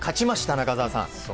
中澤さん。